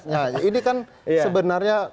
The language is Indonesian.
nah ini kan sebenarnya